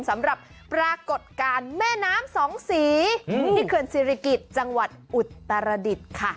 สำหรับปรากฏการณ์แม่น้ำสองสีที่เขื่อนศิริกิจจังหวัดอุตรดิษฐ์ค่ะ